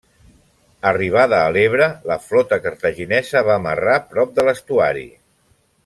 Arribada a l'Ebre, la flota cartaginesa va amarrar prop de l'estuari.